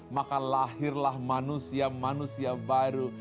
maka lahirlah manusia manusia baru